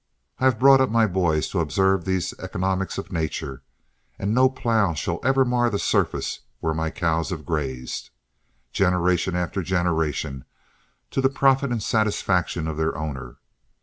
I have brought up my boys to observe these economics of nature, and no plow shall ever mar the surface where my cows have grazed, generation after generation, to the profit and satisfaction of their owner.